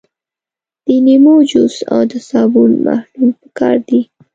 د لیمو جوس او د صابون محلول پکار دي.